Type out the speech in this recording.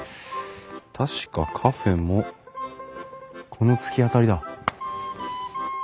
確かカフェもこの突き当たりだ。